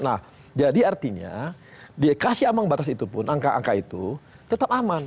nah jadi artinya dikasih amang batas itu pun angka angka itu tetap aman nggak mungkin nggak ada perubahan itu